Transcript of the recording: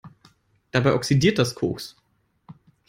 Dabei oxidiert das Koks.